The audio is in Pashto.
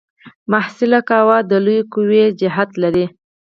محصله قوه د لویې قوې جهت لري.